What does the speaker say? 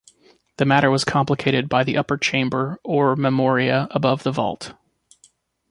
The matter was complicated by the upper chamber or memoria above the vault.